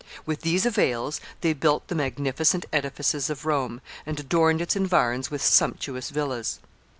With these avails they built the magnificent edifices of Rome, and adorned its environs with sumptuous villas.